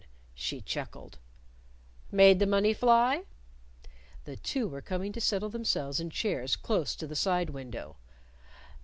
_" She chuckled. "Made the money fly?" The two were coming to settle themselves in chairs close to the side window.